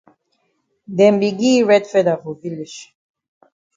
Dem be gi yi red feather for village.